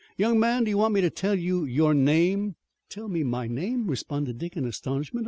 Young man, do you want me to tell you your name?" "Tell me my name!" responded Dick in astonishment.